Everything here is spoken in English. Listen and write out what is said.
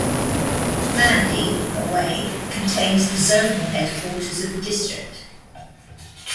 Mandi, away, contains the Zonal headquarters of the district.